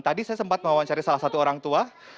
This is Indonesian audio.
tadi saya sempat mewawancari salah satu orang tua